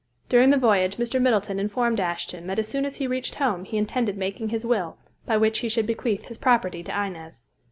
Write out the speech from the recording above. During the voyage Mr. Middleton informed Ashton that as soon as he reached home he intended making his will, by which he should bequeath his property to Inez.